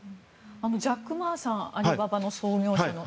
ジャック・マーさんアリババの創業者の。